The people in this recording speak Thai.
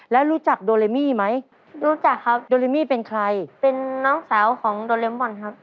แล้วรู้จักโดเรมี่ไหมรู้จักครับโดเรมี่เป็นใครเป็นน้องสาวของโดเลมบอลครับ